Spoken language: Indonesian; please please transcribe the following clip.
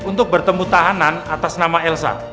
untuk bertemu tahanan atas nama elsa